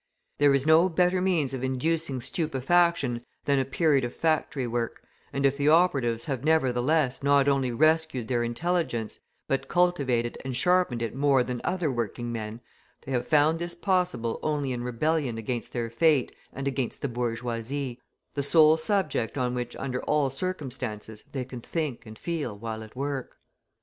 There is no better means of inducing stupefaction than a period of factory work, and if the operatives have, nevertheless, not only rescued their intelligence, but cultivated and sharpened it more than other working men, they have found this possible only in rebellion against their fate and against the bourgeoisie, the sole subject on which under all circumstances they can think and feel while at work.